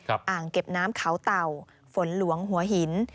อ่างเก็บน้ำเขาเต่าฝนหลวงหัวหิน